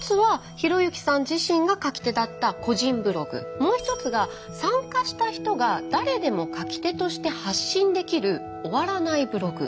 もう一つが参加した人が誰でも書き手として発信できる「終わらないブログ」。